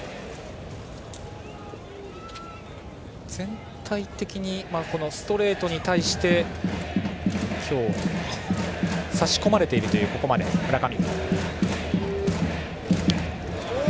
全体的にストレートに対し今日、差し込まれているというここまで、村上。